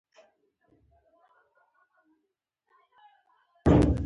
دریشي د ویناوالو لباس دی.